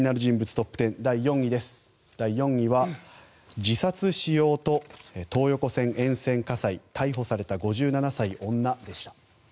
トップ１０、第４位は自殺しようと東横線沿線火災逮捕された５７歳、女でした。